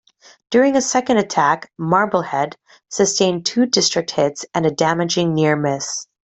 During a second attack, "Marblehead" sustained two direct hits and a damaging near miss.